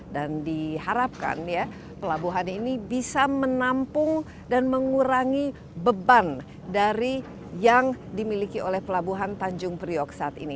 dan diharapkan pelabuhan ini bisa menampung dan mengurangi beban dari yang dimiliki oleh pelabuhan tanjung priok saat ini